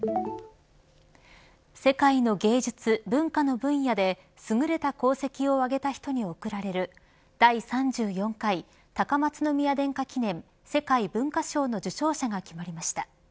世界の芸術・文化の分野で優れた功績を挙げた人に贈られる第３４回高松宮殿下記念世界文化賞の受章者が決まりました。